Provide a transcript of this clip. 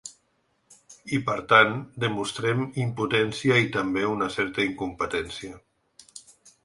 I, per tant, demostrem impotència i també una certa incompetència.